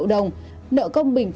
cả dân tiền ter s